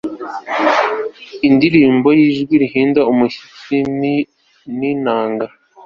indirimbo y'ijwi rihinda umushyitsi n'inanga